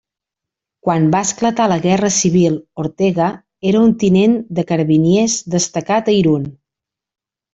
Quan va esclatar la Guerra civil, Ortega era un tinent de Carabiners destacat a Irun.